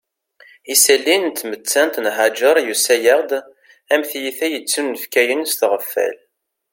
Isalli n tmettant n Haǧer yusa-aɣ-d am tiyita yettunefkayen s tɣeffal